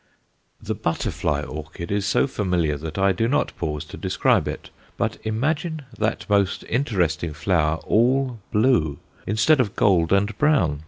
The "Butterfly orchid" is so familiar that I do not pause to describe it. But imagine that most interesting flower all blue, instead of gold and brown!